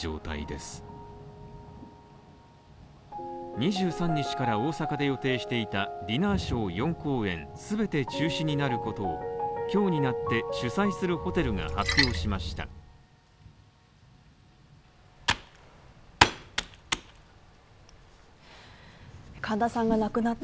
２３日から大阪で予定していたディナーショー４公演全てを中止になることを今日になって主催するホテルが発表しました。